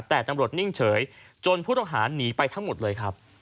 แต่ตำรวจนิ่งเฉยจนผู้ต้องหาหนีไปทั้งหมดเลยครับ